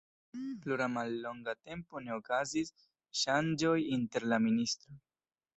Pro la mallonga tempo ne okazis ŝanĝoj inter la ministroj.